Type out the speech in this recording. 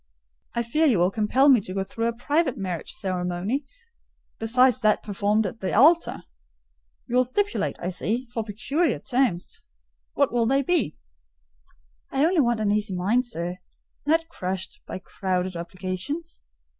I fear you will compel me to go through a private marriage ceremony, besides that performed at the altar. You will stipulate, I see, for peculiar terms—what will they be?" "I only want an easy mind, sir; not crushed by crowded obligations.